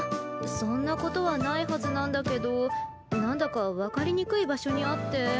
そんなことはないはずなんだけど何だか分かりにくい場所にあって。